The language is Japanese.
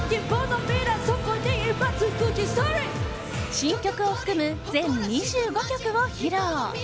新曲を含む全２５曲を披露。